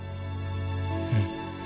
うん。